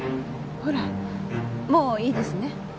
ほらもういいですね？